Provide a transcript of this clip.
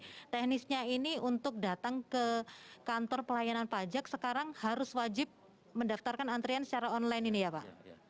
nah teknisnya ini untuk datang ke kantor pelayanan pajak sekarang harus wajib mendaftarkan antrian secara online ini ya pak